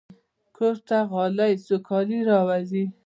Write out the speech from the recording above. کور ته غالۍ سوکالي راولي.